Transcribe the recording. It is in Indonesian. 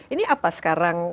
ini apa sekarang